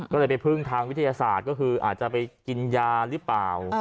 ก็เลยไปพึ่งทางวิทยาศาสตร์ก็คืออาจจะไปกินยาหรือเปล่า